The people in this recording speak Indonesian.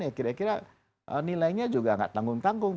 ya kira kira nilainya juga nggak tanggung tanggung